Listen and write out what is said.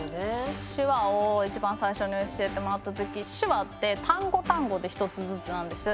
手話を一番最初に教えてもらった時手話って単語単語で１つずつなんです。